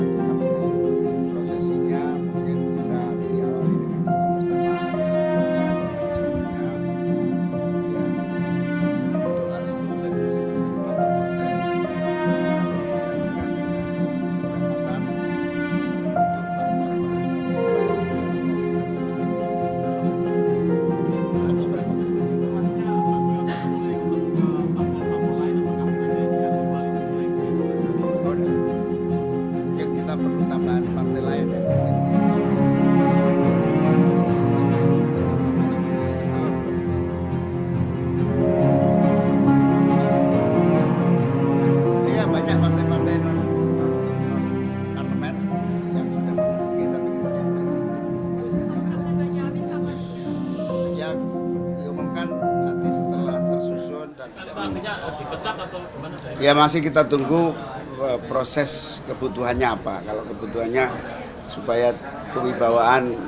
kita bareng bareng partai pengusung akan bersama sama